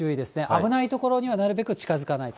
危ない所にはなるべく近づかない。